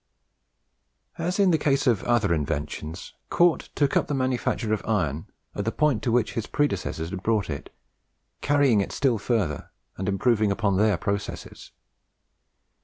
As in the case of other inventions, Cort took up the manufacture of iron at the point to which his predecessors had brought it, carrying it still further, and improving upon their processes.